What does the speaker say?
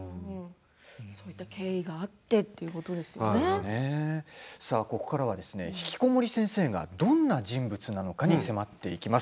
そういう経緯がここからはひきこもり先生がどんな人物なのかに迫っていきます。